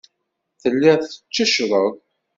Telliḍ tetteccḍeḍ.